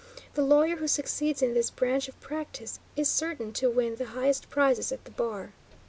The lawyer who succeeds in this branch of practice is certain to win the highest prizes at the bar.